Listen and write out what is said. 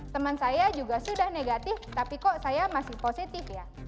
teman saya juga sudah negatif tapi kok saya masih positif ya